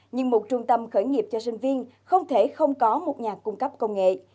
nhưng một trung tâm khởi nghiệp cho sinh viên không thể không có một nhà cung cấp công nghệ